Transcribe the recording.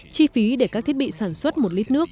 chi phí để các thiết bị sản xuất một lít nước